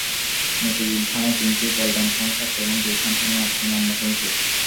মতিঝিল থানায় তিনটি, পল্টন থানায় সাতটি এবং গুলশান থানায় আটটি মামলা হয়েছে।